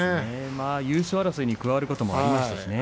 優勝争いに加わることもありましたからね。